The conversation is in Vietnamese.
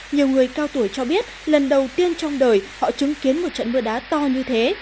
nhiều người cao tuổi cho biết lần đầu tiên trong đời họ chứng kiến một trận mưa đá to như thế